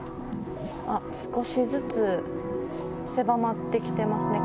あっ、少しずつ狭まってきてますね。